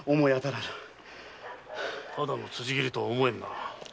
ただの辻斬りとは思えぬな。